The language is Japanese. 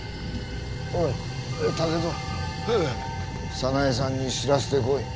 早苗さんに知らせてこい。